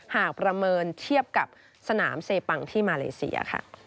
ประเมินเทียบกับสนามเซปังที่มาเลเซียค่ะ